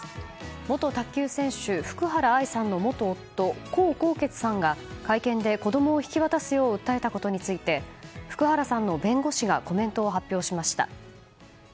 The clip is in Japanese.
元卓球選手、福原愛選手の元夫江宏傑さんが会見で子供を引き渡すよう訴えたことについて福原さんの弁護士がコメントを発表しました。